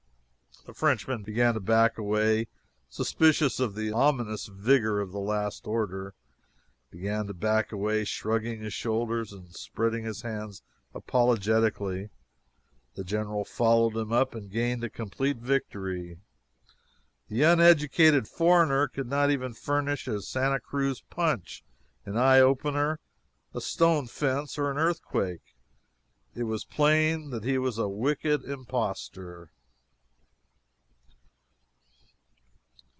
The Frenchman began to back away, suspicious of the ominous vigor of the last order began to back away, shrugging his shoulders and spreading his hands apologetically. The General followed him up and gained a complete victory. The uneducated foreigner could not even furnish a Santa Cruz Punch, an Eye Opener, a Stone Fence, or an Earthquake. It was plain that he was a wicked impostor.